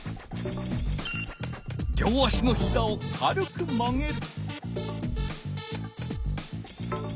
両足のひざを軽く曲げる。